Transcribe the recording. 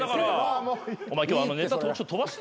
お前今日ネタ飛ばしてただろ。